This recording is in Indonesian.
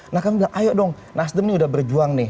nah kami bilang ayo dong nasdem ini udah berjuang nih